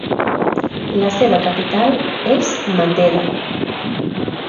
La seva capital és Matera.